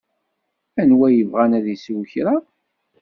Anwa yebɣan ad isew kra?